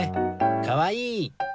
かわいい！